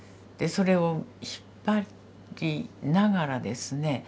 それを引っ張りながらですね